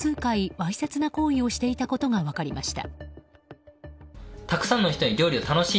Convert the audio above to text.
わいせつな行為をしていたことが分かりました。